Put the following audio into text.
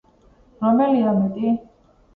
რომელია მეტი?